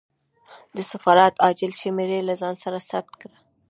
د سفارت عاجل شمېرې له ځان سره ثبت کړه.